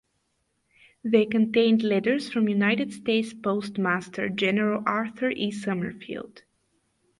They contained letters from United States Postmaster General Arthur E. Summerfield.